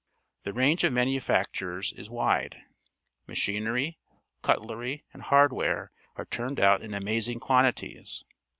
The range of manufactures is wide. Machinery, cutlery, and hardware are turned out in amazing quantities.